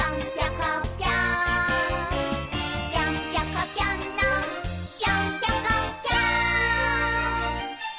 「ぴょんぴょこぴょんのぴょんぴょこぴょん！」